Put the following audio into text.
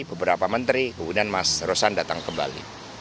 beberapa menteri kemudian mas rosan datang kembali